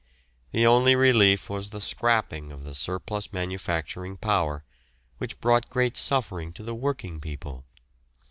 The only relief was the "scrapping" of the surplus manufacturing power, which brought great suffering to the working people.